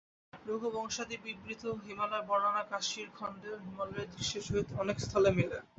রঘুবংশাদি-বিবৃত হিমালয়-বর্ণনা কাশ্মীরখণ্ডের হিমালয়ের দৃশ্যের সহিত অনেক স্থলে মিলে।